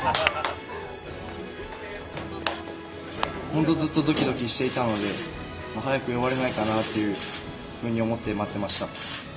本当にずっとドキドキしていたので、早く呼ばれないかなと思って待っていました。